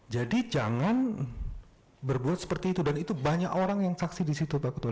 jadi jangan berbuat seperti itu dan itu banyak orang yang saksi di situ pak ketua